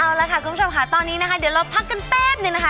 เอาละค่ะคุณผู้ชมค่ะตอนนี้นะคะเดี๋ยวเราพักกันแป๊บนึงนะคะ